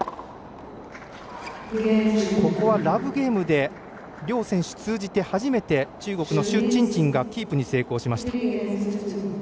ここはラブゲームで両選手通じて初めて中国の朱珍珍がキープに成功しました。